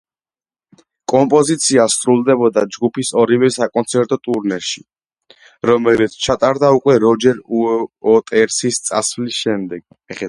კომპოზიცია სრულდებოდა ჯგუფის ორივე საკონცერტო ტურნეში, რომელიც ჩატარდა უკვე როჯერ უოტერსის წასვლის შემდეგ.